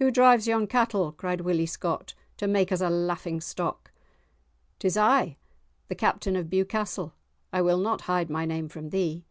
"Who drives yon cattle?" cried Willie Scott, "to make us a laughing stock?" "'Tis I, the Captain of Bewcastle; I will not hide my name from thee."